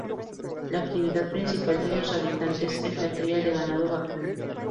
La actividad principal de sus habitantes es la cría de ganado vacuno.